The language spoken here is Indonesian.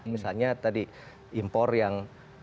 misalnya tadi impor yang sembilan ratus empat ratus